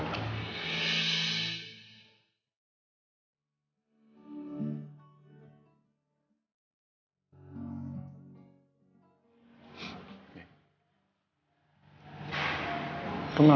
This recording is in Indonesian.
kamu mau nangis